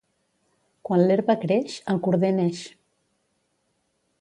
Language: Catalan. Quan l'herba creix el corder neix.